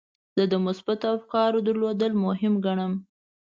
زه د مثبتو افکارو درلودل مهم ګڼم.